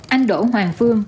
anh đỗ hoàng phương